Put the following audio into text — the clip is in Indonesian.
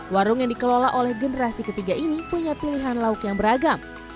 warung yang dikelola oleh generasi ketiga ini punya pilihan lauk yang beragam